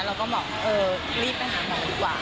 เราก็บอกเออรีบไปทำหน่อยดีกว่า